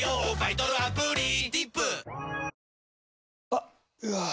あっ、うわー。